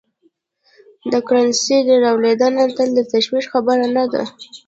د کرنسۍ رالوېدنه تل د تشویش خبره نه ده.